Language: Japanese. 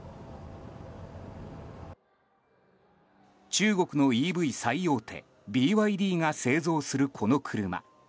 中国のＥＶ最大手ＢＹＤが製造するこの車。